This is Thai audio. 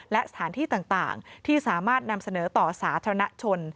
และสถานที่ต่างที่สามารถนำเสนอต่อสาธารณชน